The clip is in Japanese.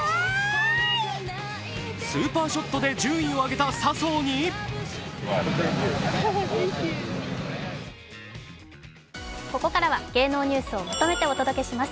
スーパーショットで順位を挙げた笹生にここからは芸能ニュースをまとめてお届けします。